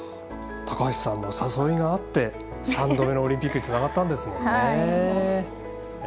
高橋さんの誘いがあって３度目のオリンピックにつながったんですもんね。